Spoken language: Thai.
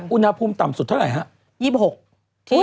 อุณหภูมิต่ำสุดเท่าไหร่ครับ